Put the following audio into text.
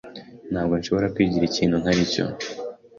Ntabwo nshobora kwigira ikintu ntari cyo.